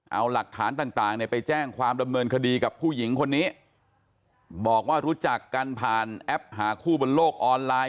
เอาหลักฐานต่างเนี่ยไปแจ้งความดำเนินคดีกับผู้หญิงคนนี้บอกว่ารู้จักกันผ่านแอปหาคู่บนโลกออนไลน์